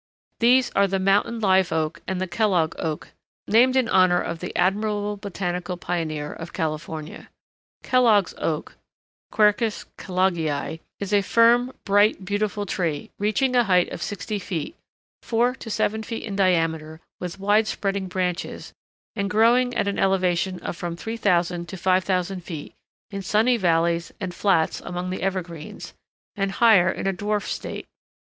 These are the Mountain Live Oak and the Kellogg Oak, named in honor of the admirable botanical pioneer of California. Kellogg's Oak (Quercus Kelloggii) is a firm, bright, beautiful tree, reaching a height of sixty feet, four to seven feet in diameter, with wide spreading branches, and growing at an elevation of from 3000 to 5000 feet in sunny valleys and flats among the evergreens, and higher in a dwarfed state.